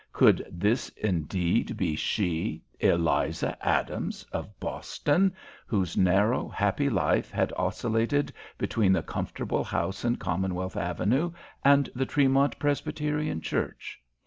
Could this indeed be she, Eliza Adams, of Boston, whose narrow, happy life had oscillated between the comfortable house in Commonwealth Avenue and the Tremont Presbyterian Church?